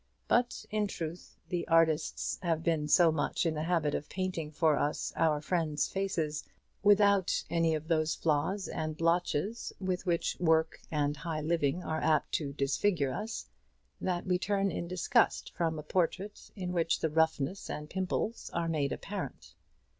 But, in truth, the artists have been so much in the habit of painting for us our friends' faces without any of those flaws and blotches with which work and high living are apt to disfigure us, that we turn in disgust from a portrait in which the roughnesses and pimples are made apparent.